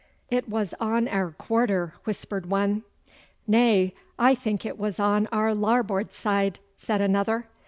'It was on our quarter,' whispered one. 'Nay, I think it was on our larboard bow,' said another.